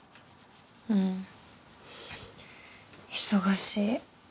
うん忙しい。